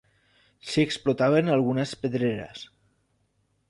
S'hi explotaven algunes pedreres.